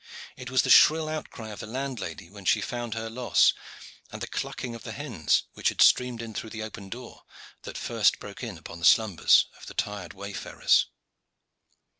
It was the shrill out cry of the landlady when she found her loss, and the clucking of the hens, which had streamed in through the open door, that first broke in upon the slumbers of the tired wayfarers.